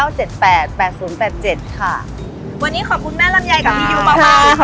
วันนี้ขอบคุณแม่ลำไยกับพี่ยูเบาค่ะ